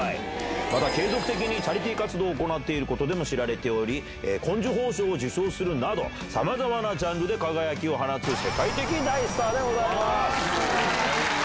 また継続的にチャリティー活動を行っていることでも知られており、紺綬褒章を受章するなど、さまざまなジャンルで輝きを放つ世界的大スターでございます。